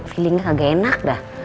feelingnya kagak enak dah